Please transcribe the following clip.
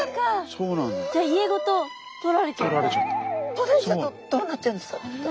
取られちゃうとどうなっちゃうんですか？